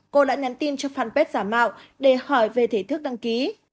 cô đã nhắn tin cho fanpage giả mạo để hỏi về thể thức đăng ký